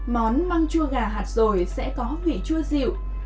món măng chua gà hạt dồi sẽ có vị chua dịu